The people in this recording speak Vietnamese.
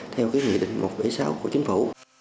theo nghị định một trăm bảy mươi sáu của chính phủ